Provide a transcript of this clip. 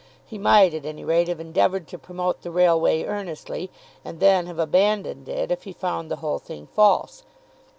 He might at any rate have endeavoured to promote the railway earnestly, and then have abandoned it if he found the whole thing false.